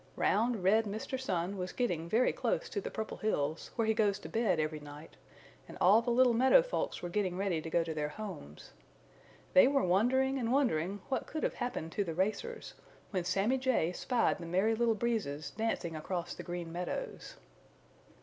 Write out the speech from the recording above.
Round, red Mr. Sun was getting very close to the Purple Hills, where he goes to bed every night, and all the little meadow folks were getting ready to go to their homes. They were wondering and wondering what could have happened to the racers, when Sammy Jay spied the Merry Little Breezes dancing across the Green Meadows.